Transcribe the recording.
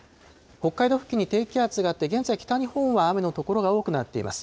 北海道付近に低気圧があって、現在、北日本は雨の所が多くなっています。